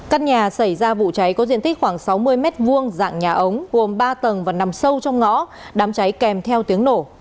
căn nhà xảy ra vụ cháy có diện tích khoảng sáu mươi m hai dạng nhà ống gồm ba tầng và nằm sâu trong ngõ đám cháy kèm theo tiếng nổ